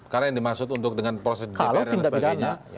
karena yang dimaksud dengan proses dpr dan sebagainya